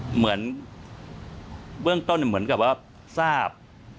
เหมือนเบื้องต้นเหมือนกับว่าทราบ